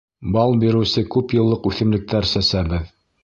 Бал биреүсе күп йыллыҡ үҫемлектәр сәсәбеҙ.